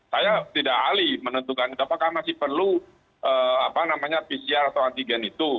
saya tidak ahli menentukan apakah masih perlu pcr atau antigen itu